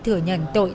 thừa nhận tội